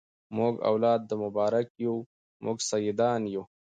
موږ اولاد د مبارک یو موږ سیدان یو